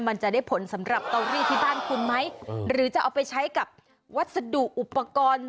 มันจะได้ผลสำหรับเตารีที่บ้านคุณไหมหรือจะเอาไปใช้กับวัสดุอุปกรณ์